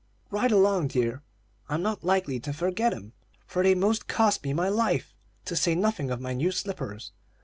"Right along, dear; I'm not likely to forget 'em, for they 'most cost me my life, to say nothing of my new slippers.